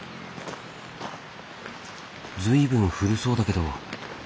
随分古そうだけど。